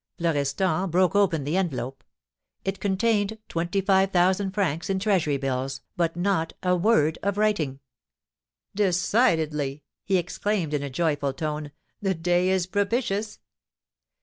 Florestan broke open the envelope. It contained twenty five thousand francs in treasury bills, but not a word of writing. "Decidedly," he exclaimed, in a joyful tone, "the day is propitious!